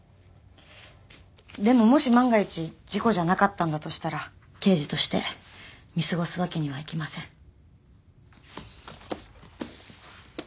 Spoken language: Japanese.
でももし万が一事故じゃなかったんだとしたら刑事として見過ごすわけにはいきません。